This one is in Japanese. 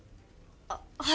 あっはい。